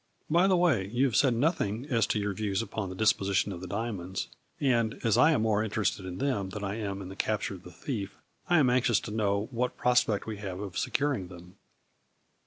By the way, you have said nothing as to your views upon the disposition of the diamonds, and, as I am more interested in them than I am in the capture of the thief, I am anxious to know what prospect we have of securing them."